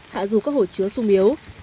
hạ dù các hồ chứa sung yếu